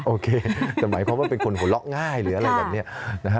โอเคแต่หมายความว่าเป็นคนหัวเราะง่ายหรืออะไรแบบนี้นะฮะ